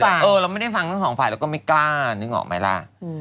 เออเราไม่ได้ฟังทั้งสองฝ่ายเราก็ไม่กล้านึกออกไหมล่ะ